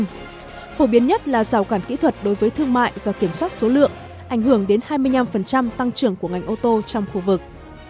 phổ biến nhất là rào cản kỹ thuật đối với thương mại và kiểm soát số lượng ảnh hưởng đến hai mươi năm tăng trưởng của ngành ô tô trong khu vực